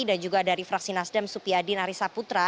dan juga dari fraksi nasdem supiadin arissa putra